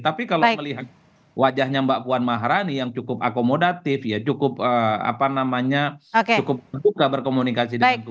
tapi kalau melihat wajahnya mbak puan maharani yang cukup akomodatif ya cukup apa namanya cukup suka berkomunikasi